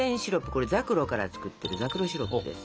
これザクロから作ってるザクロシロップです。